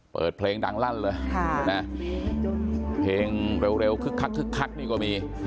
เปิดเพลงดังลั่นเลยค่ะน่ะเพลงเร็วเร็วคึกคักคึกคักนี่กว่ามี